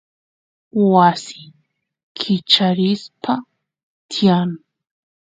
wasi kicharispa tiyan